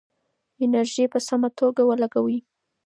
انرژي په سمه توګه ولګوئ.